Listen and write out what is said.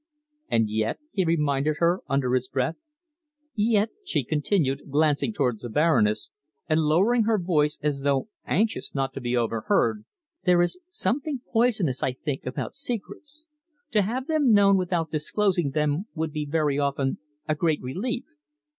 "And yet?" he reminded her under his breath. "Yet," she continued, glancing towards the Baroness, and lowering her voice as though anxious not to be overheard, "there is something poisonous, I think, about secrets. To have them known without disclosing them would be very often a great relief."